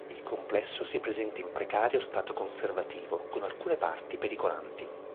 Il complesso si presenta in precario stato conservativo, con alcune parti pericolanti.